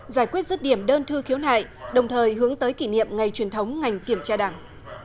giải quyết rứt điểm đơn thư khiếu nại đồng thời hướng tới kỷ niệm ngày truyền thống ngành kiểm tra đảng